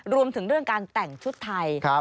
รวมถึงเรื่องการแต่งชุดไทย